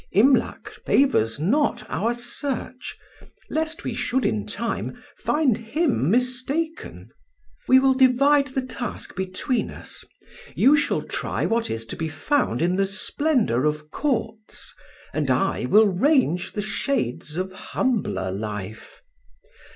Imlac favours not our search, lest we should in time find him mistaken. We will divide the task between us; you shall try what is to be found in the splendour of Courts, and I will range the shades of humbler life.